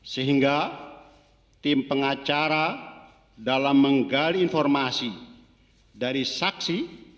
sehingga tim pengacara dalam menggali informasi dari saksi